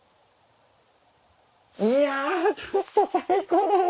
いやちょっと最高だもん。